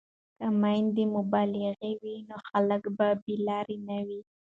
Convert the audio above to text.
که میندې مبلغې وي نو خلک به بې لارې نه وي.